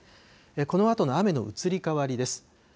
このあとの雨の移り変わりです。